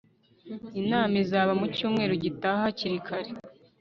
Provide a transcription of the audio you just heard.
inama izaba mucyumweru gitaha hakiri kare